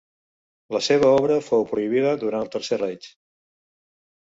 La seva obra fou prohibida durant el Tercer Reich.